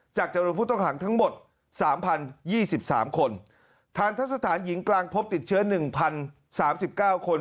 จากจำนวนผู้ต้องหางทั้งหมดสามพันยี่สิบสามคนทางทัศนฐานหญิงกลางพบติดเชื้อหนึ่งพันสามสิบเก้าคน